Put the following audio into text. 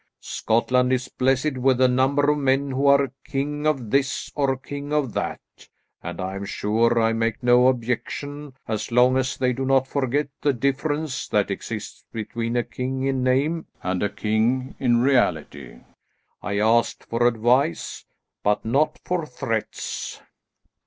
Scotland is blessed with a number of men who are king of this, or king of that, and I am sure I make no objection, as long as they do not forget the difference that exists between a king in name and a king in reality. I asked for advice, but not for threats."